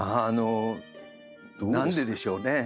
何ででしょうね。